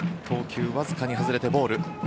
投球わずかに外れてボール。